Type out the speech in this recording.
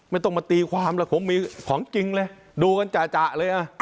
ไม่ต้องมาตีความแล้วผมมีของจริงเลยดูกันจ่ะเลย